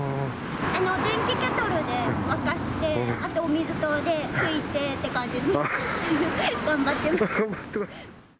電気ケトルで沸かして、あとお水で拭いてって感じで、頑張ってます。